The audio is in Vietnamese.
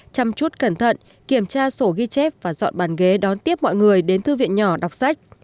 chăm chút cẩn thận kiểm tra sổ ghi chép và dọn bàn ghế đón tiếp mọi người đến thư viện nhỏ đọc sách